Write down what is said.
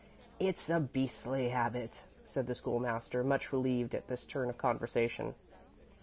"It's a beastly habit," said the School master, much relieved at this turn of the conversation.